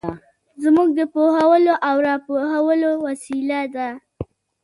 ژبه د پوهولو او را پوهولو وسیله ده